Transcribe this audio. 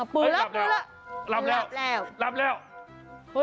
ปรึะรับ